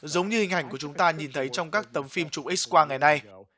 giống như hình ảnh của chúng ta nhìn thấy trong các tấm phim chụp x qua ngày nay